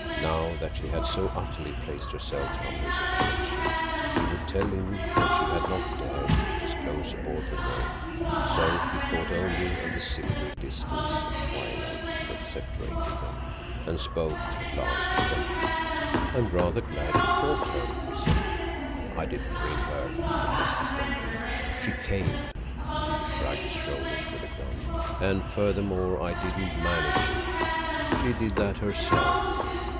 Now that she had so utterly placed herself under his protection, she would tell him what she had not dared to disclose aboard the Nome. So he thought only of the silvery distance of twilight that separated them, and spoke at last to Stampede. "I'm rather glad you brought her," he said. "I didn't bring her," protested Stampede. "She came." He shrugged his shoulders with a grunt. "And furthermore I didn't manage it. She did that herself.